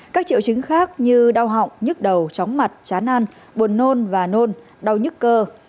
các triệu chứng khác như đau họng nhức đầu chóng mặt chán ăn buồn nôn và nôn đau nhức cơ